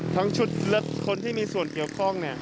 ทั้งชุดและคนที่มีส่วนเกี่ยวข้อง